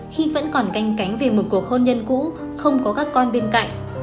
khi vẫn còn canh cánh về một cuộc hôn nhân cũ không có các con bên cạnh